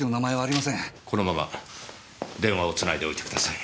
このまま電話をつないでおいてください。